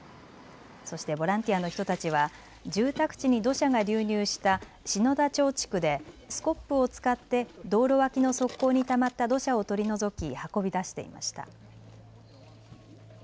そしてボランティアの人たちは住宅地に土砂が流入した篠田町地区でスコップを使って道路脇の側溝にたまった土砂を取り除き運び出していました。